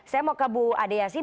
saya mau ke bu ade yasin